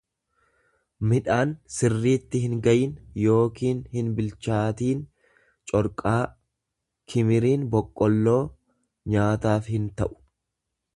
midhaan sirriitti hingayin yookiin hinbilchaatiin, corqaa; Kimiriin boqqolloo nyaataaf hinta'u.